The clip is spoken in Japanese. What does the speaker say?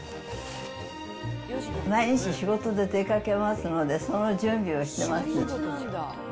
毎日仕事で出かけますので、その準備をしてます。